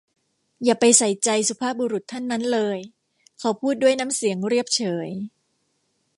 อย่าไปใส่ใจสุภาพบุรุษท่านนั้นเลย เขาพูดด้วยน้ำเสียงเรียบเฉย